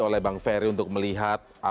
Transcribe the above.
oleh bang ferry untuk melihat